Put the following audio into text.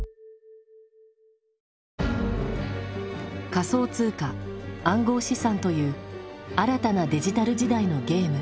仮想通貨暗号資産という新たなデジタル時代のゲーム。